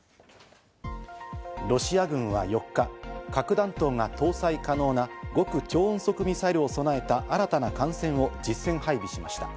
ロシア軍は４日、核弾頭が搭載可能な極超音速ミサイルを備えた新たな艦船を実戦配備しました。